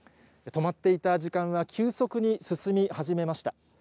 止まっていた時間は、急速に進み始めました。